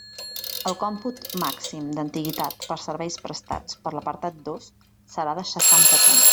El còmput màxim d'antiguitat per serveis prestats per l'apartat dos serà de seixanta punts.